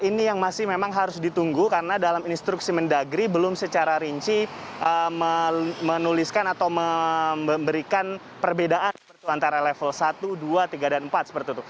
ini yang masih memang harus ditunggu karena dalam instruksi mendagri belum secara rinci menuliskan atau memberikan perbedaan antara level satu dua tiga dan empat seperti itu